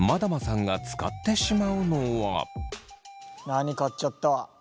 何買っちゃった？